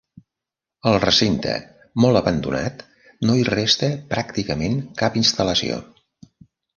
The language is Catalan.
Al recinte, molt abandonat, no hi resta pràcticament cap instal·lació.